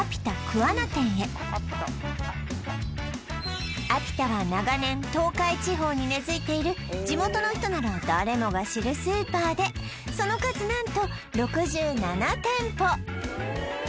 桑名店へアピタは長年東海地方に根づいている地元の人なら誰もが知るスーパーでその数何と６７店舗！